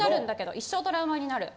一生トラウマになる。